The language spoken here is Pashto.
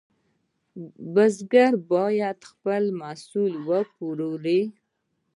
بزګر باید خپل محصول وپلوري.